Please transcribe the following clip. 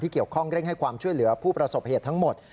เกี่ยวข้องเร่งให้ความช่วยเหลือผู้ประสบเหตุทั้งหมด